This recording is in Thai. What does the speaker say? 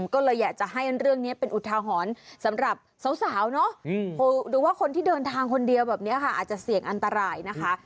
ก็เลยอยากจะให้เรื่องนี้เป็นอุทาหรณ์สำหรับสาวเนาะหรือว่าคนที่เดินทางคนเดียวแบบนี้ค่ะอาจจะเสี่ยงอันตรายนะคะ